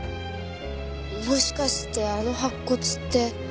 もしかしてあの白骨って。